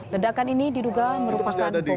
ledakan ini diduga merupakan bom buni